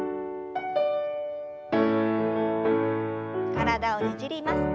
体をねじります。